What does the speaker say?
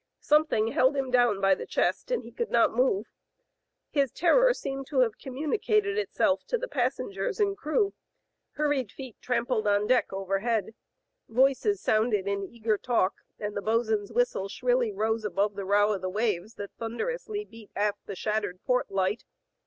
Something held him down by the chest, and he could not move. His terror seemed to have communicated itself to the passengers and crew. Hurried feet trampled on deck overhead. Voices sounded in eager talk, and the bos*n*s whistle shrilly rose above the row of the waves that thunderously beat aft the shattered port light.